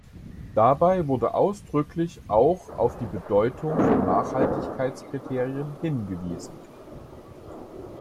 Dabei wurde ausdrücklich auch auf die Bedeutung von Nachhaltigkeitskriterien hingewiesen.